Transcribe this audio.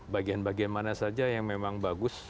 bagian bagian mana saja yang memang bagus